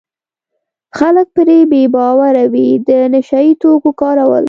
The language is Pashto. خلک پرې بې باوره وي د نشه یي توکو کارول.